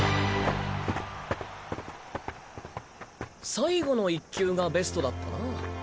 最後の一球がベストだったな。